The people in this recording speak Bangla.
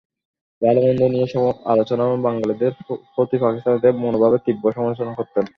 ভালো-মন্দ নিয়ে আলোচনা এবং বাঙালিদের প্রতি পাকিস্তানিদের মনোভাবের তীব্র সমালোচনা করতেন।